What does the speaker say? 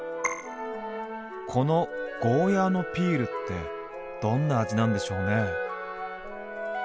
この「ゴーヤーのピール」ってどんな味なんでしょうね？